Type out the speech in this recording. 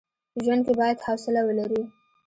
ژوند کي بايد حوصله ولري.